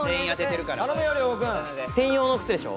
専用の靴でしょ。